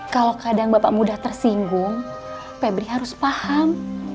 kalau kadang bapak mudah tersinggung pebri harus paham